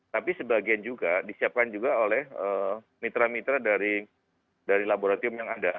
tapi sebagian juga disiapkan juga oleh mitra mitra dari laboratorium yang ada